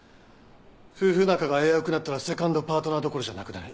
夫婦仲が危うくなったらセカンドパートナーどころじゃなくなる。